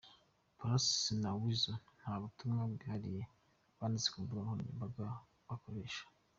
Pallaso na Weasel nta butumwa bwihariye banditse ku mbuga nkoranyambaga bakoresha.